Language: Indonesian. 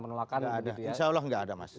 gak ada insya allah gak ada mas